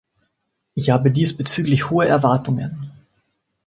Ich habe diesbezüglich hohe Erwartungen.